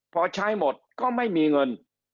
พอใช้หมดก็ไม่มีเงิน